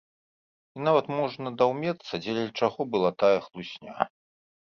І нават можна даўмецца, дзеля чаго была тая хлусня.